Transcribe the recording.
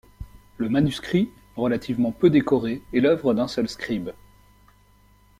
Le manuscrit, relativement peu décoré, est l'œuvre d'un seul scribe.